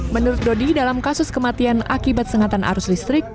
menurut dodi dalam kasus kematian akibat sengatan arus listrik